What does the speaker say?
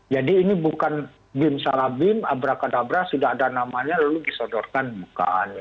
jadi ini bukan bim salah bim abrakadabra sudah ada namanya lalu disodorkan bukan